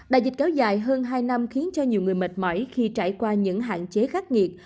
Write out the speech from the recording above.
đại dịch kéo dài hơn hai năm khiến cho nhiều người mệt mỏi khi trải qua những hạn chế khắc nghiệt